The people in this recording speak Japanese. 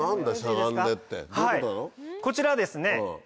こちらはですね